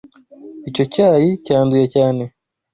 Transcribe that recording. Icyo cyayi cyanduye cyane.